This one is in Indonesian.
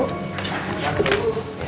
terima kasih bu